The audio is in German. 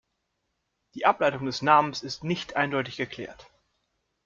Die Ableitung des Namens ist nicht eindeutig geklärt.